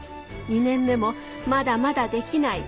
２年目もまだまだデキない